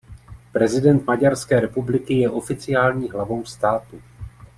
Prezident Maďarské republiky je oficiální hlavou státu.